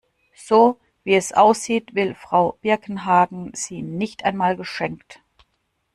So, wie es aussieht, will Frau Birkenhagen sie nicht einmal geschenkt.